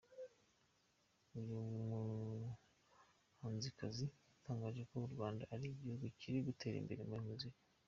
Uyu muhanzikazi yatangaje ko u Rwanda ari igihugu kiri gutera imbere muri muzika.